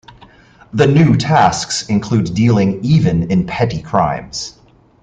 The new tasks include dealing even in petty crimes.